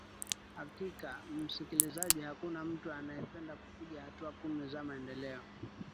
hakika msikilizaji hakuna mtu anayependa kupiga hatua kumi za maendeleo